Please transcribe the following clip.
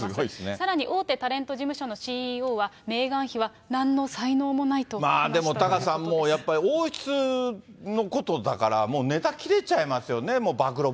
さらに大手タレント事務所のＣＥＯは、メーガン妃はなんの才能もでもタカさん、もう王室のことだから、もうネタ切れちゃいますよね。